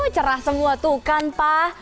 cerah semua tuh kan pak